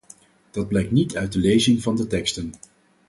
Dat blijkt niet uit de lezing van de teksten.